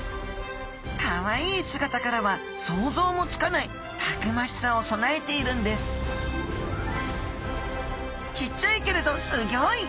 かわいい姿からは想像もつかないたくましさを備えているんですちっちゃいけれどすギョい！